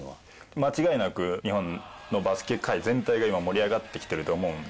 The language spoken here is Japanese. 間違いなく日本のバスケ界全体が今、盛り上がってきていると思うので。